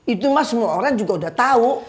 itu mah semua orang juga udah tahu